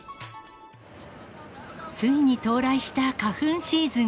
ついに到来した花粉シーズン。